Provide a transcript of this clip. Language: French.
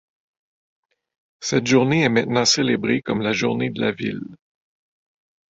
Cette journée est maintenant célébrée comme la journée de la ville.